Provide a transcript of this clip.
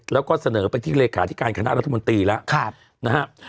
แล้วก็เสนอไปที่หลายฤคษาธิการคณะรัฐมนตรีแล้ว